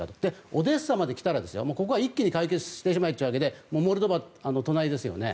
オデーサまで来たらここは一気に解決してしまえということでモルドバは隣ですよね。